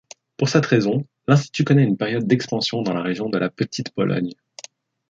Pour cette raison, l'institut connaît une période d'expansion dans la région de la Petite-Pologne.